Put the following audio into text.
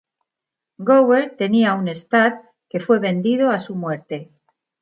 Gower tenía un "stud" que fue vendido a su muerte.